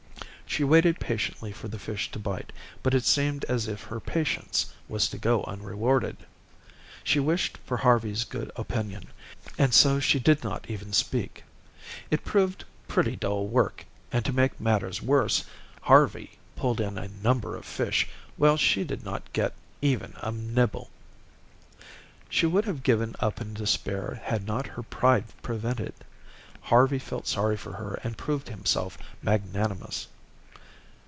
She waited patiently for the fish to bite, but it seemed as if her patience was to go unrewarded. She wished for Harvey's good opinion, and so she did not even speak. It proved pretty dull work and to make matters worse, Harvey pulled in a number of fish, while she did not get even a nibble. She would have given up in despair had not her pride prevented. Harvey felt sorry for her and proved himself magnanimous.